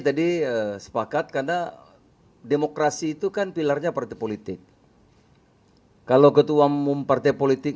tadi sepakat karena demokrasi itu kan pilarnya partai politik kalau ketua umum partai politik